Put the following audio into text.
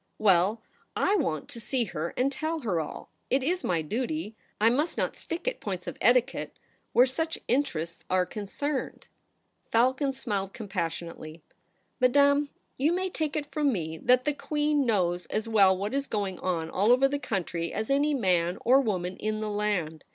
Well, / want to see her, and tell her all. It is my duty. I must not stick at points of etiquette where such interests are concerned.' Falcon smiled compassionately. ' Madame, you may take it from me that the Queen knows as well what is going on all over the country as any man or woman in the land.